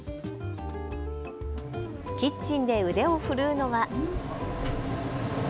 キッチンで腕を振るうのは。